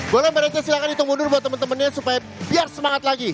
boleh mbak deca silahkan hitung mundur buat temen temennya supaya biar semangat lagi